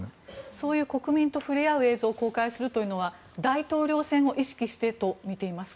そういう国民と触れ合う映像を公開するというのは大統領選を意識してと見ていますか。